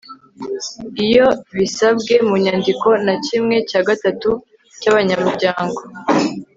iyo bisabwe mu nyandiko na kimwe cya gatatu cy'abanyamryango